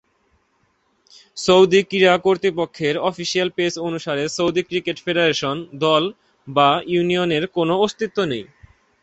Saudi ক্রীড়া কর্তৃপক্ষের official page অনুসারে, সৌদি ক্রিকেট ফেডারেশন, দল বা ইউনিয়নের কোনও অস্তিত্ব নেই।